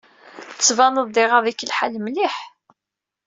Tbaneḍ-d iɣaḍ-ik lḥal mliḥ.